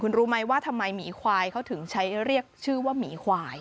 รู้ไหมว่าทำไมหมีควายเขาถึงใช้เรียกชื่อว่าหมีควาย